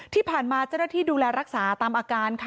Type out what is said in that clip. ที่ผ่านมาเจ้าหน้าที่ดูแลรักษาตามอาการค่ะ